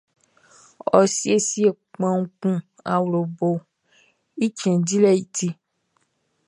Ɔ siesie kpanwun kun awloboʼn i cɛn dilɛʼn i ti.